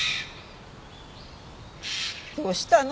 どうしたの？